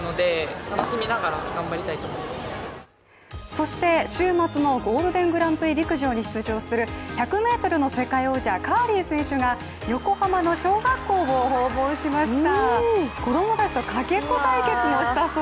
そして週末のゴールデングランプリ陸上に出場する１００ｍの世界王者、カーリー選手が横浜の小学校を訪問しました。